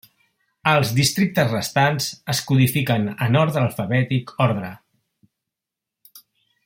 Els districtes restants es codifiquen en ordre alfabètic ordre.